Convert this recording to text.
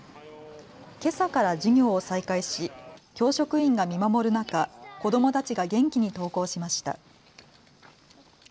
けさから授業を再開し教職員が見守る中、子どもたちが元気に登校しました。